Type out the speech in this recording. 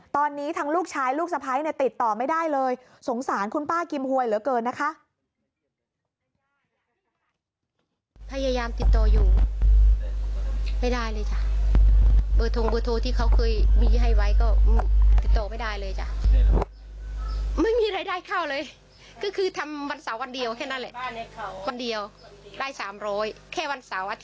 ตอนนี้ทั้งลูกชายลูกสะพ้ายเนี่ยติดต่อไม่ได้เลยสงสารคุณป้ากิมหวยเหลือเกินนะคะ